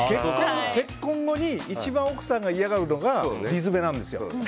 結婚後に一番、奥さんが嫌がるのが理詰めなんですよ。